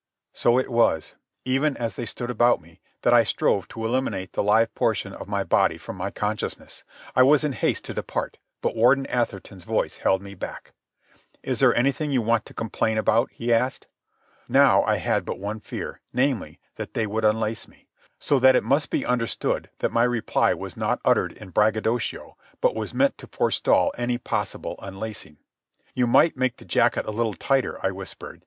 So it was, even as they stood about me, that I strove to eliminate the live portion of my body from my consciousness. I was in haste to depart, but Warden Atherton's voice held me back. "Is there anything you want to complain about?" he asked. Now I had but one fear, namely, that they would unlace me; so that it must be understood that my reply was not uttered in braggadocio but was meant to forestall any possible unlacing. "You might make the jacket a little tighter," I whispered.